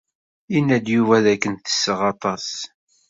Yenna-d Yuba d akken tesseɣ aṭas.